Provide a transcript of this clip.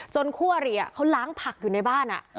คู่อริเขาล้างผักอยู่ในบ้าน